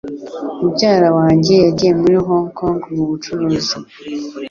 Mubyara wanjye yagiye muri Hong Kong mu bucuruzi.